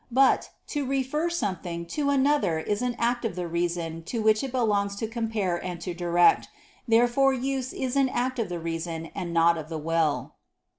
But "to refer" something to another is an act of the reason to which it belongs to compare and to direct. Therefore use is an act of the reason and not of the will.